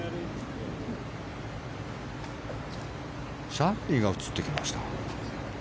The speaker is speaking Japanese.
シャフリーが映ってきました。